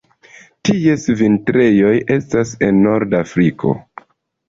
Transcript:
Ties vintrejoj estas en norda Afriko.